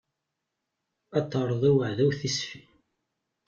Ad terreḍ i uɛdaw tisfi.